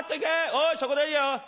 おいそこでいいよ。